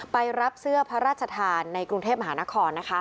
ไปรับเสื้อพระราชทานในกรุงเทพมหานคร